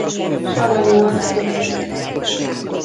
Savanyú a szőlő.